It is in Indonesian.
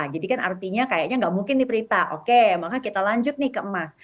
jadi kan artinya kayaknya nggak mungkin nih prita oke maka kita lanjut nih ke emas